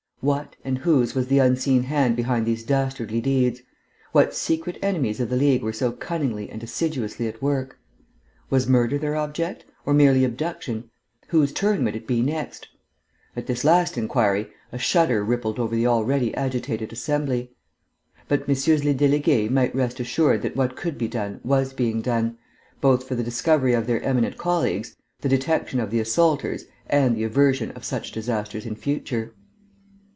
What and whose was the unseen hand behind these dastardly deeds? What secret enemies of the League were so cunningly and assiduously at work? Was murder their object, or merely abduction? Whose turn would it be next? (At this last inquiry a shudder rippled over the already agitated assembly.) But MM. les Délégués might rest assured that what could be done was being done, both for the discovery of their eminent colleagues, the detection of the assaulters, and the aversion of such disasters in future.